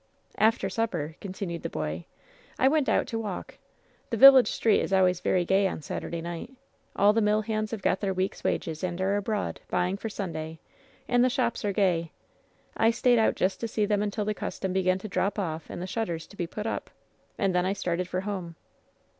"After supper," continued the boy, "I went out to walk. The village street is always very gay on Satur day night. All the mill hands have got their week's wages and are abroad, buying for Sunday, and the shops are gay. I stayed out just to see them until the custom began to drop off and the shutters to be put up. And then I started for home."